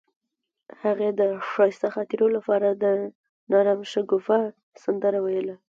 هغې د ښایسته خاطرو لپاره د نرم شګوفه سندره ویله.